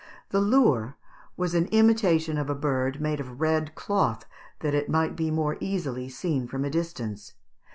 "] The lure was an imitation of a bird, made of red cloth, that it might be more easily seen from a distance.